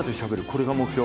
これが目標。